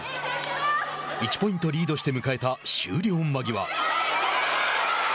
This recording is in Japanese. １ポイントリードして迎えた終了間際。